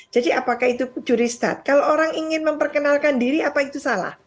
jadi apakah itu curi start kalau orang ingin memperkenalkan diri apa itu salah